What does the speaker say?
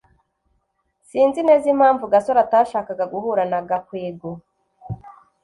sinzi neza impamvu gasore atashakaga guhura na gakwego